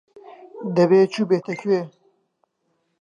دەبێ چووبێتە کوێ.